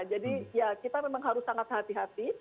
jadi ya kita memang harus sangat hati hati